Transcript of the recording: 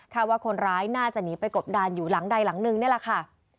ว่าคนร้ายน่าจะหนีไปกบดานอยู่หลังใดหลังนึงนี่แหละค่ะ